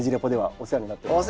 お世話になってます。